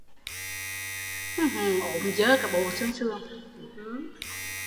Ốm dơ cả bộ sườn